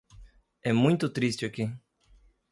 É muito triste aqui.